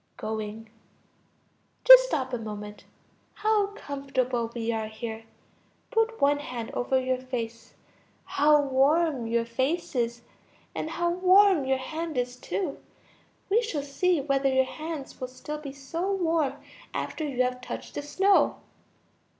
(Going.) Just stop a moment; how comfortable we are here! Put one hand over your face. How warm your face is, and how warm your hand is too! We shall see whether your hands will still be so warm after you have touched the snow.